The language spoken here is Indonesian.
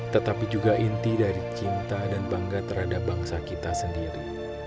tetapi juga inti dari cinta dan bangga terhadap bangsa kita sendiri